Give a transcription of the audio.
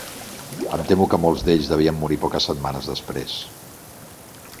Em temo que molts d'ells devien morir poques setmanes després